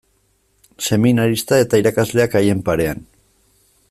Seminarista eta irakasleak haien parean.